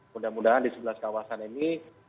mudah mudahan di sebelas kawasan ini